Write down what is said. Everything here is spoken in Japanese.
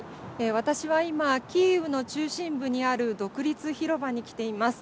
私は今キーウの中心部にある独立広場に来ています。